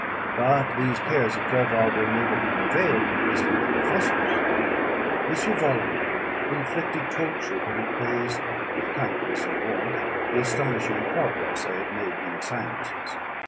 But these cares of Clerval were made of no avail when I visited the professors. M. Waldman inflicted torture when he praised, with kindness and warmth, the astonishing progress I had made in the sciences.